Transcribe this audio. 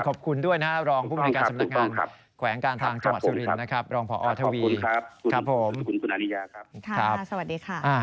ขอบคุณด้วยรองผู้บริการสำนักงานแขวงการทางจังหวัดซุรินทร์รองพอทวีร์สวัสดีค่ะ